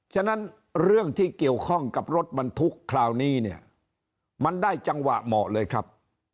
ฉะนั้นเรื่องที่เกี่ยวข้องกับรถบรรทุกคราวนี้เนี่ยมันได้จังหวะเหมาะเลยครับ